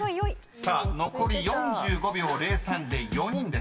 ［さあ残り４５秒０３で４人です］